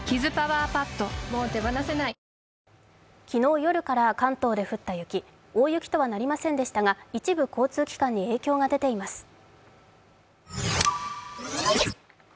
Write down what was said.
昨日夜から関東で降った雪、大雪とはなりませんでしたが、一部交通機関に影響が出ています。